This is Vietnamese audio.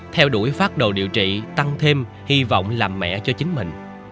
theo đuổi phát đồ điều trị tăng thêm hy vọng làm mẹ cho chính mình